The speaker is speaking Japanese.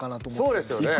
そうですよね。